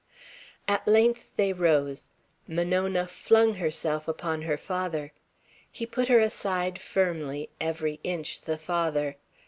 At length they rose. Monona flung herself upon her father. He put her aside firmly, every inch the father.